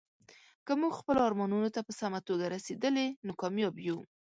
که موږ خپلو ارمانونو ته په سمه توګه رسیدلي، نو کامیاب یو.